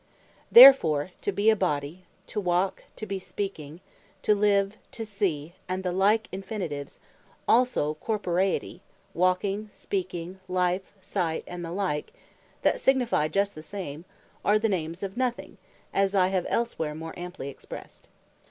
Therefore, to bee a Body, to Walke, to bee Speaking, to Live, to See, and the like Infinitives; also Corporeity, Walking, Speaking, Life, Sight, and the like, that signifie just the same, are the names of Nothing; as I have elsewhere more amply expressed.